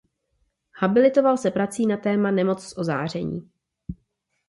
Habilitoval se prací na téma "Nemoc z ozáření".